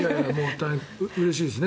うれしいですね。